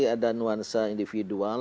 ada nuansa individual